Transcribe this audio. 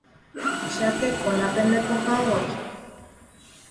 chakeko la pene pokãvoi